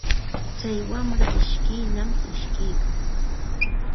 Tsay wamra ishkiyllam ishkikun.